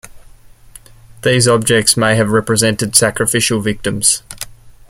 These objects may have represented sacrificial victims.